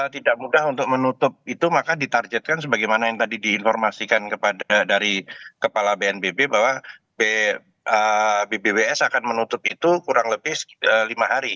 tidak mudah untuk menutup itu maka ditargetkan sebagaimana yang tadi diinformasikan kepada dari kepala bnpb bahwa bbws akan menutup itu kurang lebih lima hari